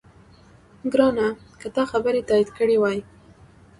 ګرانه! که تا خبرې تایید کړې وای،